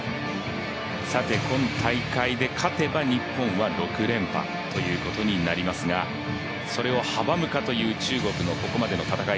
さて今大会で勝てば日本は６連覇ということになりますがそれを阻むか、という中国のここまでの戦い。